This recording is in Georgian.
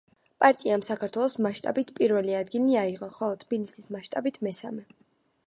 პარტიამ საქართველოს მასშტაბით პირველი ადგილი აიღო, ხოლო თბილისის მასშტაბით მესამე.